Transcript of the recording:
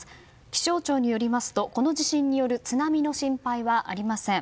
気象庁によりますとこの地震による津波の心配はありません。